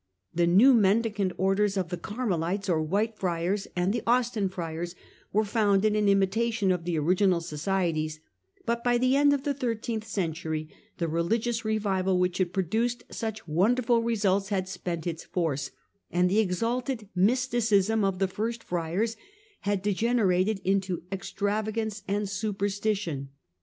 The new Mendicant Orders of the Carmelites or White Friars The and the Austin F'riars were founded in imitation of the and Austin original societies, but by the end of the thirteenth ^"^" century the religious revival which had produced such wonderful results had spent its force, and the exalted mysticism of the first friars had degenerated into extra vagance and superstition.